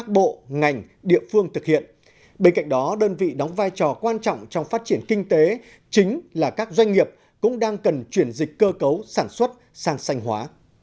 bên cạnh đó đơn vị đóng vai trò quan trọng trong phát triển kinh tế chính là các doanh nghiệp cũng đang cần chuyển dịch cơ cấu sản xuất sang xanh hóa